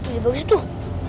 ya bagus tuh